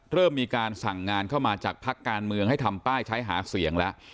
เริ่มมีการสั่งงานเข้ามาจากพักการเมืองให้ทำป้ายใช้หาเสียงแล้ว